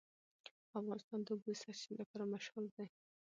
افغانستان د د اوبو سرچینې لپاره مشهور دی.